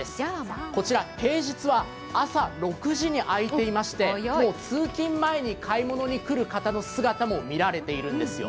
こちら、平日は朝６時に開いていましてもう通勤前に買い物にする姿も見られるんですよ。